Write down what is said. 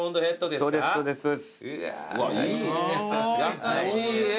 優しい絵。